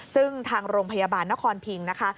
ซึ่งทางโรงพยาบาลนครพิงนะคะ